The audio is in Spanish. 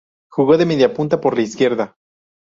Jugó de mediapunta por la izquierda.